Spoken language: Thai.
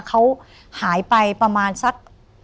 เขาหายไปประมาณสัก